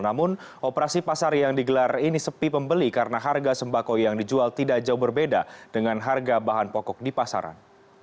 namun operasi pasar yang digelar ini sepi pembeli karena harga sembako yang dijual tidak jauh berbeda dengan harga bahan pokok di pasaran